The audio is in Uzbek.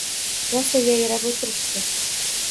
Rosa yayrab o`tirishdi